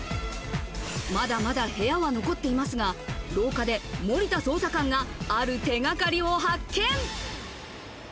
まだまだ部屋は残っていますが、廊下で森田捜査官がある手掛かりを発見。